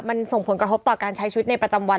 มันส่งผลกระทบต่อการใช้ชีวิตในประจำวัน